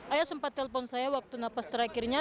ayah sempat telpon saya waktu napas terakhirnya